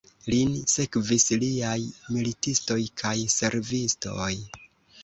Lin sekvis liaj militistoj kaj servistoj.